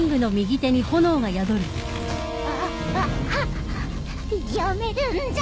ああやめるんじゃ！